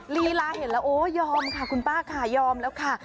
ลีลาเห็นแล้วโอ้ยอมค่ะคุณป้าค่ะยอมแล้วค่ะ